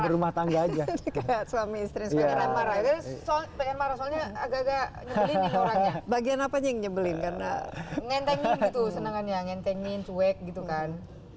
risetnya agak agak bagian apa yang nyebelin karena ngenteng gitu senangannya ngentengin cuek gitu kan